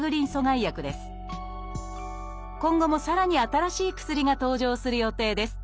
今後もさらに新しい薬が登場する予定です